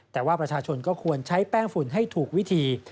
แต่ว่าประชาชนก็ควรใช้แป้งฝุ่นให้ถูกวิธี